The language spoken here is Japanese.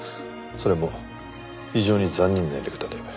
それも非常に残忍なやり方で。